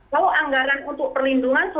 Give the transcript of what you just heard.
kalau anggaran untuk perlindungan sosial itu efektif